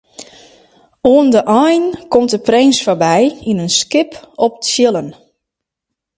Oan de ein komt de prins foarby yn in skip op tsjillen.